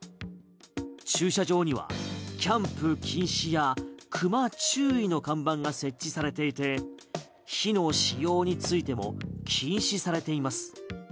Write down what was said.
駐車場にはキャンプ禁止や熊注意の看板が設置されていて火の使用についても禁止されています。